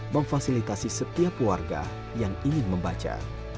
memfasilitasi setiap warga yang ingin membaca